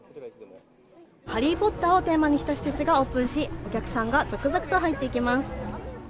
ハリー・ポッターをテーマにした施設がオープンし、お客さんが続々と入っていきます。